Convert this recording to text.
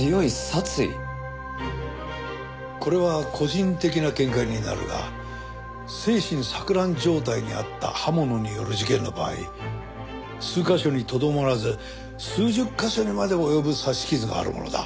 これは個人的な見解になるが精神錯乱状態にあった刃物による事件の場合数カ所にとどまらず数十カ所にまで及ぶ刺し傷があるものだ。